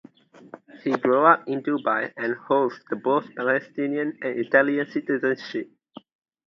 He grew up in Dubai and holds both Palestinian and Italian citizenship.